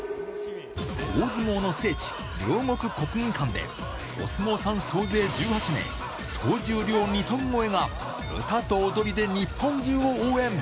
大相撲の聖地、両国国技館で、お相撲さん総勢１８名、総重量２トン超えが歌と踊りで日本中を応援。